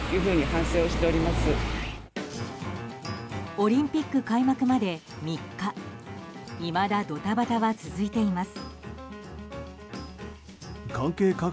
オリンピック開幕まで３日いまだドタバタは続いています。